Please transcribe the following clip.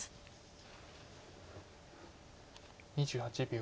２８秒。